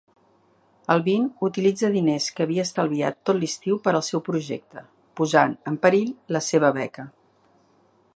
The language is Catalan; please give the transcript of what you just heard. Alvin utilitza diners que havia estalviat tot l'estiu per al seu projecte, posant en perill la seva beca.